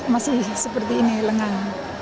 masih seperti ini lengan